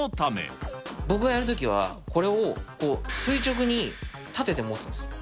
僕がやるときは、これを垂直に立てて持つんですよ。